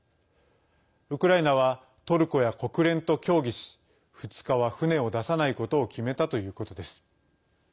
ウクライナはトルコや国連と協議し２日は船を出さないことを決めたということです。